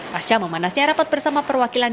pasca memanasnya rapat bersama perwakilan